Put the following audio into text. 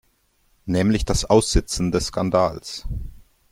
Nämlich das Aussitzen des Skandals.